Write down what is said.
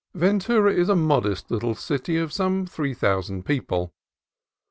Ventura is a modest little city of some three thou sand people.